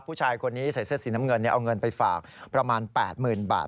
ผู้ชายคนนี้ใส่เสื้อสีน้ำเงินเอาเงินไปฝากประมาณ๘๐๐๐บาท